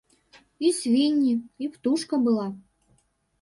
І свінні, і птушка была.